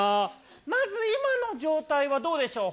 まず今の状態はどうでしょう？